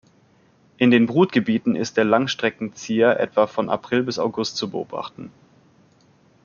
In den Brutgebieten ist der Langstreckenzieher etwa von April bis August zu beobachten.